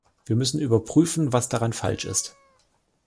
Wir müssen überprüfen, was daran falsch ist.